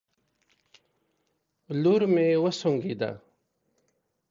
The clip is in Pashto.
لور مې وسونګېده